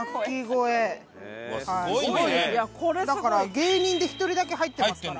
だから芸人で１人だけ入ってますから。